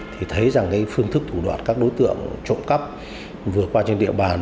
thì thấy rằng phương thức thủ đoạt các đối tượng trộm cắp vừa qua trên địa bàn